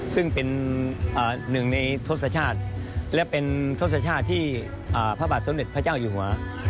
ซึ่งเป็นหนึ่งในทศชาติและเป็นทศชาติที่พระบาทสมเด็จพระเจ้าอยู่หัว